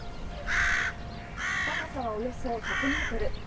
高さはおよそ１００メートル。